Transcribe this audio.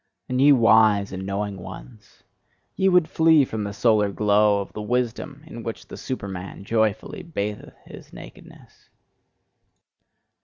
And ye wise and knowing ones, ye would flee from the solar glow of the wisdom in which the Superman joyfully batheth his nakedness!